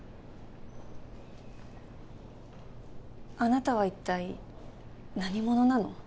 あなたは一体何者なの？